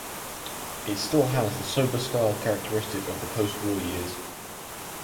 It still has the sober style characteristic of the post war years.